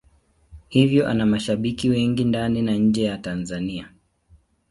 Hivyo ana mashabiki wengi ndani na nje ya Tanzania.